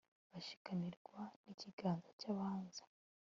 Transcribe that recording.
bashikamirwa n'ikiganza cy'abanza